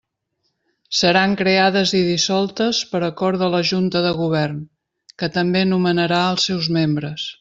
Seran creades i dissoltes per acord de la Junta de Govern, que també nomenarà els seus membres.